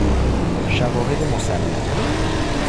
شواهد مسلم